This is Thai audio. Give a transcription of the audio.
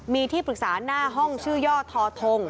มีที่ปรึกษาหน้าห้องชื่อย่อทอทง